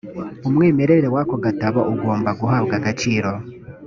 umwimerere w ako gatabo ugomba guhabwa agaciro